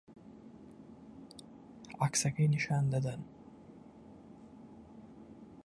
عەکسەکەی نیشان دەدەن